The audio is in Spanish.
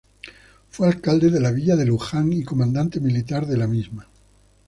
Fue alcalde de la villa de Luján y comandante militar de la misma.